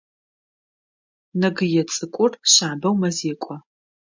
Нэгые цӏыкӏур шъабэу мэзекӏо.